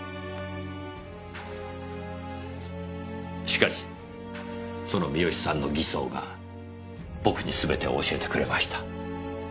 しかしその三好さんの偽装が僕にすべてを教えてくれました。